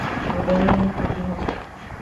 Walamanmi kutimuśhaq.